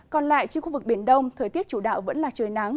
còn lại trên khu vực biển đông thời tiết chủ đạo vẫn là trời nắng